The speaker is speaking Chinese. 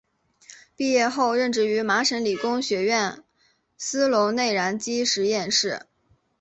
毕业后任职于麻省理工学院斯龙内燃机实验室。